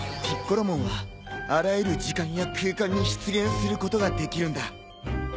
ピッコロモンはあらゆる時間や空間に出現することができるんだ。